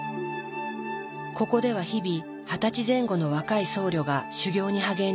ここでは日々二十歳前後の若い僧侶が修行に励んでいる。